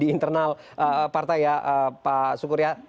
di internal partai ya pak sukur ya